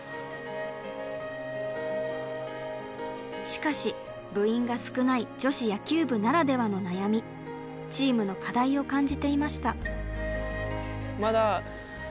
しかし部員が少ない女子野球部ならではの悩みチームの課題を感じていました。